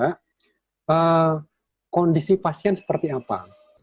kondisi pasien seperti apa